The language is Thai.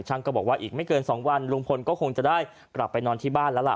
ก็บอกว่าอีกไม่เกิน๒วันลุงพลก็คงจะได้กลับไปนอนที่บ้านแล้วล่ะ